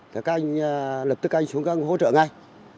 thì các anh lập tức anh xuống các ngôi hỗ trợ ngay